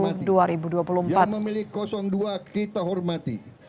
yang memiliki dua kita hormati